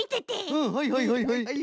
うんはいはいはいはいはい。